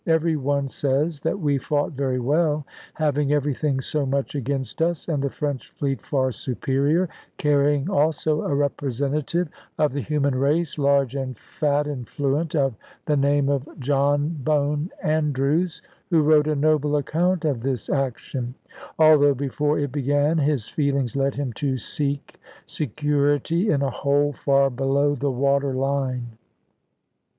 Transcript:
Every one says that we fought very well, having everything so much against us, and the French fleet far superior, carrying also a representative of the human race, large and fat and fluent, of the name of John Bone Andrews, who wrote a noble account of this action, although before it began his feelings led him to seek security in a hole far below the water line.